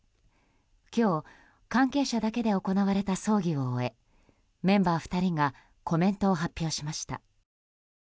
今日、関係者だけで行われた葬儀を終えメンバー２人がコメントを発表しました。